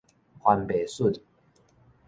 番麥筍